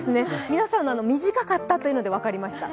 皆さんの短かったというので分かりました。